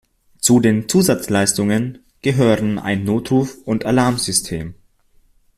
Zu den Zusatzleistungen gehören ein Notruf- und Alarmsystem.